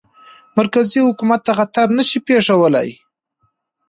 مرکزي حکومت ته خطر نه شي پېښولای.